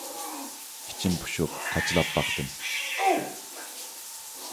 ئىچىم پۇشۇپ قاچىلاپ باقتىم.